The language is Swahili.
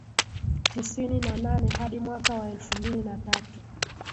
tisini na nane hadi mwaka wa elfu mbili na tatu